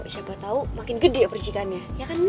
siapa tau makin gede ya percikannya ya kan mi